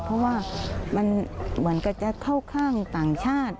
เพราะว่ามันเหมือนกันจะเข้าข้างต่างชาติ